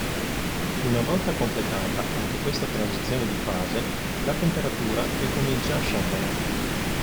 Una volta completata anche questa transizione di fase, la temperatura ricomincia a scendere.